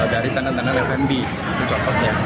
dari tenan tenan yang lebih rendah